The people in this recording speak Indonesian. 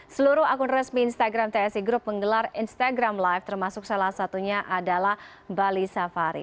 seluruh akun resmi instagram tsi group menggelar instagram live termasuk salah satunya adalah bali safari